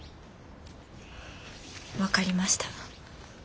分かりました。